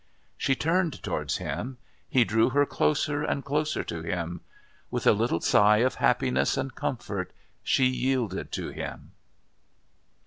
She turned towards him. He drew her closer and closer to him. With a little sigh of happiness and comfort she yielded to him.